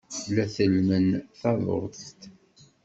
La tellmen taḍuft.